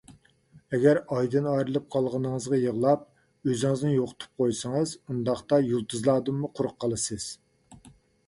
ئەگەر ئايدىن ئايرىلىپ قالغىنىڭىزغا يىغلاپ، ئۆزىڭىزنى يوقىتىپ قويسىڭىز، ئۇنداقتا يۇلتۇزلاردىنمۇ قۇرۇق قالىسىز.